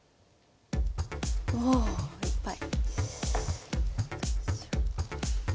おおいっぱい。